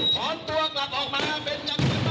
ท้อนตัวกลับออกมาเป็นจำนวนมากเลย